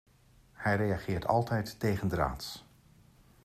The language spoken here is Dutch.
Hij reageert altijd tegendraads.